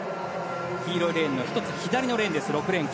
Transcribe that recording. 黄色いレーンの１つ隣のレーンです。